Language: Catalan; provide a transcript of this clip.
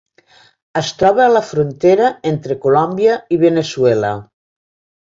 Es troba a la frontera entre Colòmbia i Veneçuela.